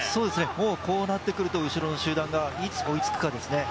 こうなってくると、後ろの集団がいつ追いつくかですね。